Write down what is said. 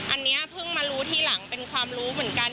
อันนี้เพิ่งมารู้ทีหลังเป็นความรู้เหมือนกัน